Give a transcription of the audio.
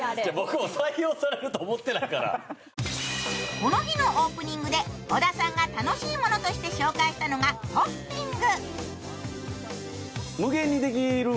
この日のオープニングで小田さんが楽しいものとして紹介したのがホッピング。